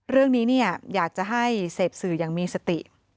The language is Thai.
เรื่องนี้อยากจะให้เสพสื่ออย่างมีสติ